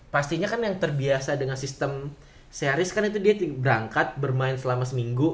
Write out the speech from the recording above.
pastinya kan yang terbiasa dengan sistem series kan itu dia berangkat bermain selama seminggu